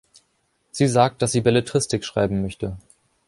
Sie sagt, dass sie Belletristik schreiben möchte.